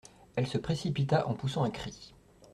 Elle se précipita en poussant un cri.